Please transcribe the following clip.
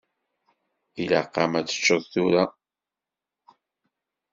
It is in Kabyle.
Ilaq-am ad teččeḍ tura.